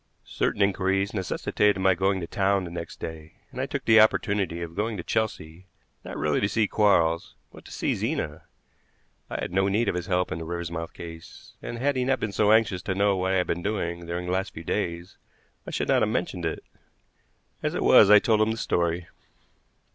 Certain inquiries necessitated my going to town next day, and I took the opportunity of going to Chelsea, not really to see Quarles, but to see Zena. I had no need of his help in the Riversmouth case, and, had he not been so anxious to know what I had been doing during the last few days, I should not have mentioned it. As it was, I told him the story.